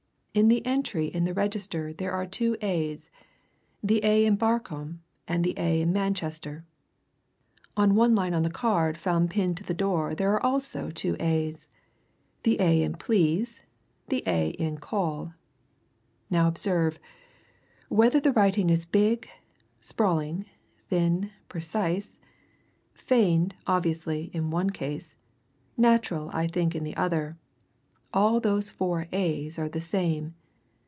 In the entry in the register there are two a's the a in Barcombe, the a in Manchester. On the one line on the card found pinned to the door there are also two a's the a in please; the a in call. Now observe whether the writing is big, sprawling, thin, precise; feigned, obviously, in one case, natural, I think, in the other, all those four a's are the same!